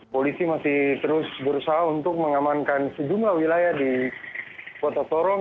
polisi masih terus berusaha untuk mengamankan sejumlah wilayah di kota sorong